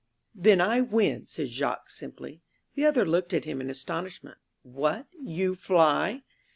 "Then I win," said Jacques simply. The other looked at him in astonishment. "What! You fly?"